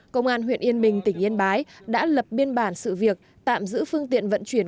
công an huyện yên bình tỉnh yên bái đã lập biên bản sự việc tạm giữ phương tiện vận chuyển